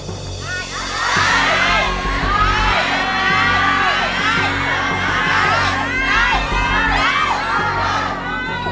ใช่